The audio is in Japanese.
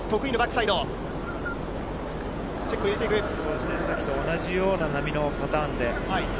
さっきと同じような波のパタ